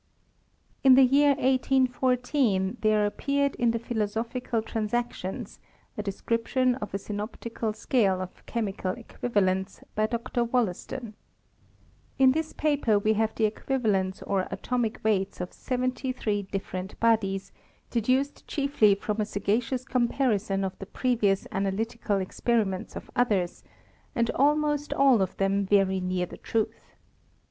In the year 1814 there appeared in the Philo sophical Transactions a description of a Synoptical Scale of Chemical Equivalents, by Dr. WoUaston. In this paper we have the equivalents or atomic weights o£ seventy three different bodies, deduced chiefly from a sagacious comparison of the previous analytical experiments of others, and almost all of VOL. II. X I 306 HISTORY or CtlEMISTKT. ■ tbem very sear the truth.